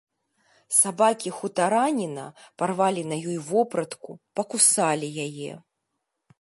Сабакі хутараніна парвалі на ёй вопратку, пакусалі яе.